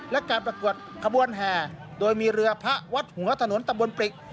และการประกวดขบวนแห่โดยมีเรือพระวัดหัวถนนตำบลปริก